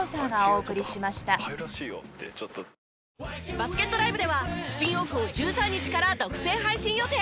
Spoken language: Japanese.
バスケットＬＩＶＥではスピンオフを１３日から独占配信予定。